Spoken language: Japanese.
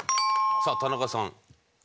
さあ田中さん。